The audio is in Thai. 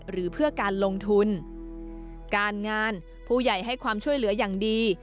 หรือเพื่อการลงทุนการงานผู้ใหญ่ให้ความช่วยเหลืออย่างดี